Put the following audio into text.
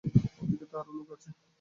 ওদিকে তো আরো লোক আছে।